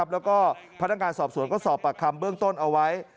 แล้วก็พนักงานสอบสวนก็สอบปากคำเบื้องต้นเอาไว้